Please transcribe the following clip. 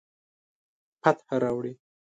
فتح راوړي